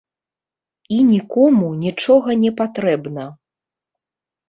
І нікому нічога не патрэбна.